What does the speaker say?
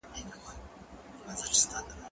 بازار ته ولاړ سه،